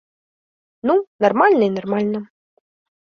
Ну, нармальна і нармальна.